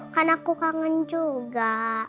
kan aku kangen juga